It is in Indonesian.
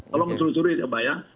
kalau selusuri coba ya